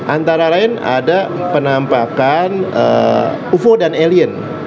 antara lain ada penampakan ufo dan alien